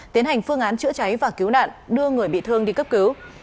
tiến hành phương án chữa cháy và cứu nạn đưa người bị thương đi cấp cứu